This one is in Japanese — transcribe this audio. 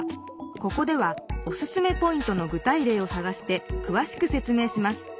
ここではおすすめポイントの具体例をさがしてくわしくせつ明します。